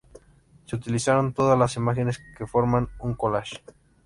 Se utilizaron todas las imágenes que forman un collage.